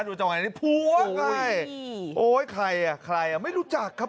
ดูจะว่าไงนี่โอ้ยโอ้ยใครอ่ะใครอ่ะไม่รู้จักครับ